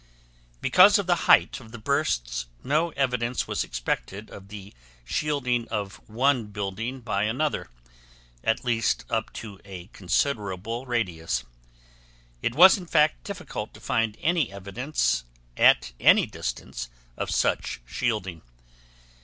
Because of the height of the bursts no evidence was expected of the shielding of one building by another, at least up to a considerable radius. It was in fact difficult to find any evidence at any distance of such shielding.